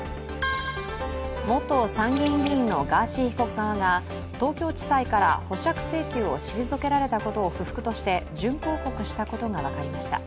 元参議院議員のガーシー被告側が東京地裁から保釈請求を退けられたことを不服として準抗告したことが分かりました。